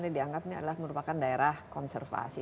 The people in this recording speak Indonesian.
dianggap ini adalah merupakan daerah konservasi